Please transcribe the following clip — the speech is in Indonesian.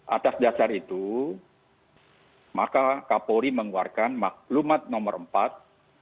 atas dasar itu maka kapolri mengeluarkan maklumat nomor empat